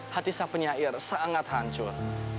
hati sang penyair sangat hancur